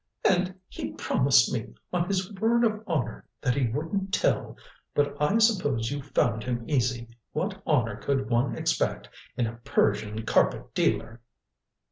"And he promised me, on his word of honor, that he wouldn't tell. But I suppose you found him easy. What honor could one expect in a Persian carpet dealer?"